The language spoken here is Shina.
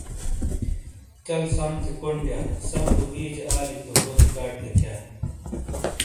چَل سَم تھے کونڈ دِیا، سَم بو ہِیجے آلی تو ہو ریکارڈ گہ تھیا۔